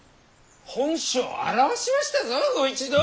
本性を現しましたぞご一同！